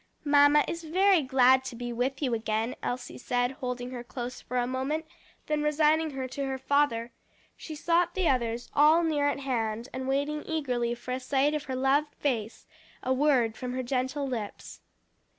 "Mamma is very glad to be with you again," Elsie said, holding her close for a moment, then resigning her to her father, she sought the others, all near at hand, and waiting eagerly for a sight of her loved face, a word from her gentle lips.